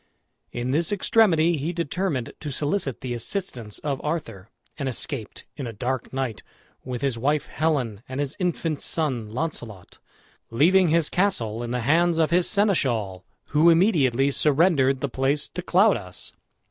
In this extremity he determined to solicit the assistance of Arthur, and escaped in a dark night, with his wife Helen and his infant son Launcelot, leaving his castle in the hands of his seneschal, who immediately surrendered the place to Claudas.